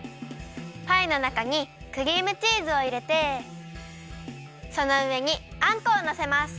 パイのなかにクリームチーズをいれてそのうえにあんこをのせます！